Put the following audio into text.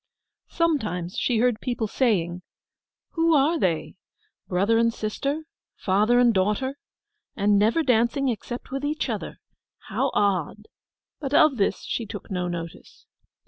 Sometimes she heard people saying, 'Who are they?—brother and sister—father and daughter? And never dancing except with each other—how odd?' But of this she took no notice.